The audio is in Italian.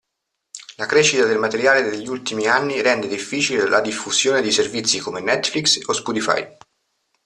La crescita del materiale degli ultimi anni rende difficile la diffusione di servizi come Netflix o Spotify.